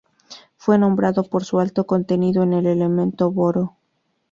Fue nombrado por su alto contenido en el elemento boro.